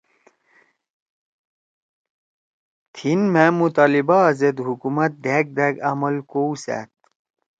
تھیِن مھأ مطالبآ زید حکومت دھأک دھأک عمل کؤسأد